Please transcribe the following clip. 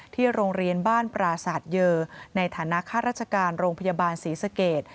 โรงเรียนบ้านปราศาสตร์เยอในฐานะข้าราชการโรงพยาบาลศรีสเกต